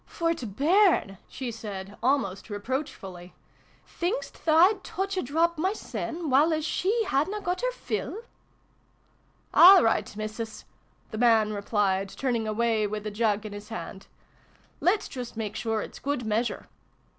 "For t' bairn!" she said, almost reproach fully. " Think'st tha I'd touch a drop my sen, while as she hadna got her fill ?" "All right, Missus," the man replied, turning away with the jug in his hand. " Let's just rnak sure it's good measure."